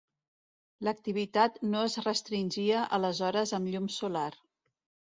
L'activitat no es restringia a les hores amb llum solar.